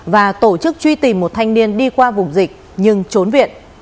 và tổ chức truy tìm một thanh niên đi qua vùng dịch nhưng trốn viện